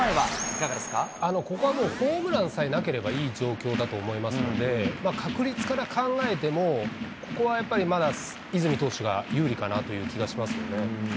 ここはもう、ホームランさえなければ、いい状況だと思いますので、確率から考えても、ここはやっぱり、まだ泉投手が有利かなという気がしますよね。